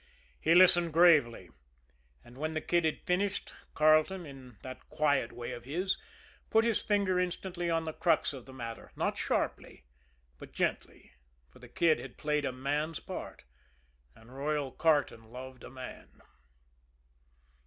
He listened gravely, and when the Kid had finished, Carleton, in that quiet way of his, put his finger instantly on the crux of the matter not sharply, but gently, for the Kid had played a man's part, and "Royal" Carleton loved a man.